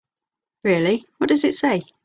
Really, what does it say?